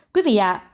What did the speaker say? quý vị ạ